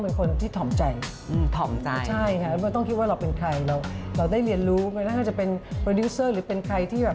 มันก็จะมองหาอะไรที่แบบแปลก